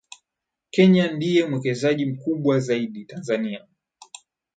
Kenya ndiye mwekezaji mkubwa zaidi Tanzania